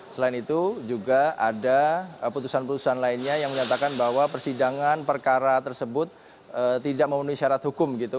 selain itu juga ada putusan putusan lainnya yang menyatakan bahwa persidangan perkara tersebut tidak memenuhi syarat hukum gitu